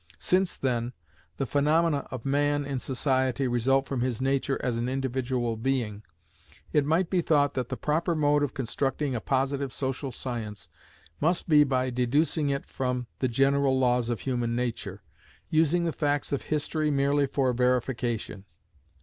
Since, then, the phaenomena of man in society result from his nature as an individual being, it might be thought that the proper mode of constructing a positive Social Science must be by deducing it from the general laws of human nature, using the facts of history merely for verification.